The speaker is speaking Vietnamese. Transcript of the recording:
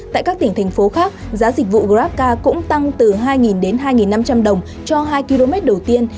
tại các tỉnh thành phố khác giá dịch vụ grabca cũng tăng từ hai đến hai năm trăm linh đồng cho hai km đầu tiên